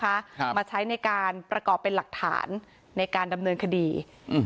ครับมาใช้ในการประกอบเป็นหลักฐานในการดำเนินคดีอืม